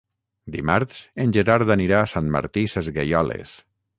Dimarts en Gerard anirà a Sant Martí Sesgueioles.